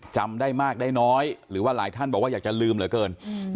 จำได้มากได้น้อยหรือว่าหลายท่านบอกว่าอยากจะลืมเหลือเกิน